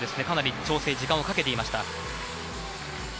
かなり調整に時間をかけていました。